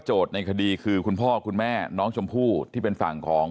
ในคดีคือคุณพ่อคุณแม่น้องชมพู่ที่เป็นฝั่งของ